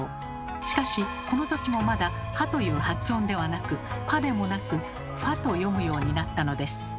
しかしこのときもまだ「は」という発音ではなく「ぱ」でもなく「ふぁ」と読むようになったのです。